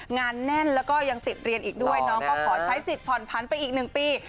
งานแน่นแล้วก็ยังติดเรียนอีกด้วยน้องก็ขอใช้สิทธิผ่อนผันไปอีก๑ปี